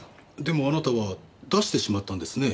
でもあなたは出してしまったんですね？